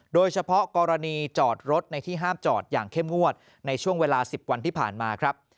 โดยเฉพาะกรณีจอดรถในที่ห้ามจอดอย่างเข้มงวดในช่วงเวลา๑๐วันที่ผ่านมาครับ